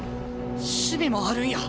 守備もあるんや。